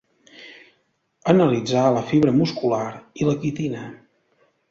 Analitzà la fibra muscular i la quitina.